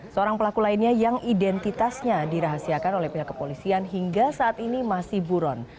seorang pelaku lainnya yang identitasnya dirahasiakan oleh pihak kepolisian hingga saat ini masih buron